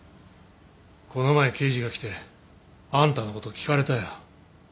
この前刑事が来てあんたのこと聞かれたよ。